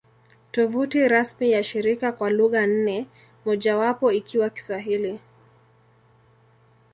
Tovuti rasmi ya shirika kwa lugha nne, mojawapo ikiwa Kiswahili